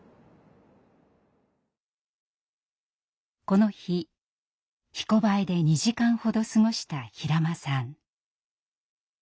この日「ひこばえ」で２時間ほど過ごした平間さん。